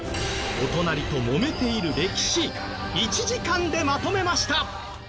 お隣ともめている歴史１時間でまとめました。